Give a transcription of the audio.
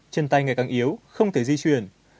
chân tay ngày càng yếu không thể di chuyển